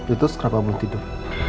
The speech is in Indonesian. itu sekerapa belum tidur